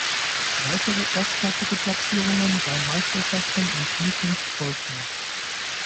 Weitere erstklassige Platzierungen bei Meisterschaften und Meetings folgten.